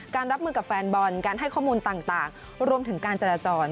รับมือกับแฟนบอลการให้ข้อมูลต่างรวมถึงการจราจร